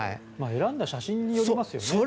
選んだ写真によりますよね。